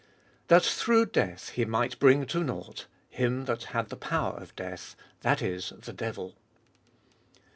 That through death He might bring to nought him that had the power of death, that is, the devil.